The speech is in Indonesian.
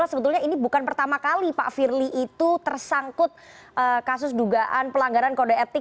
sebetulnya ini bukan pertama kali pak firly itu tersangkut kasus dugaan pelanggaran kode etik